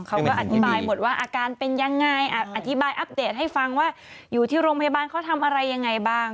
เขาก็อธิบายหมดว่าอาการเป็นยังไงอธิบายอัปเดตให้ฟังว่าอยู่ที่โรงพยาบาลเขาทำอะไรยังไงบ้าง